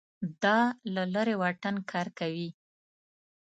دا له لرې واټن کار کوي